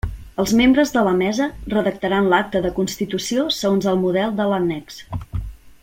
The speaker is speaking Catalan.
Els membres de la mesa redactaran l'acta de constitució segons el model de l'annex.